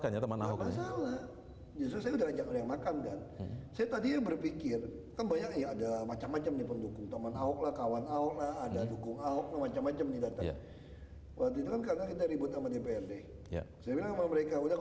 saya tadi berpikir ada macam macam teman teman kawan kawan ada dukung